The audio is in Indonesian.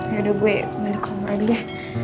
yaudah gue balik ke omrah dulu ya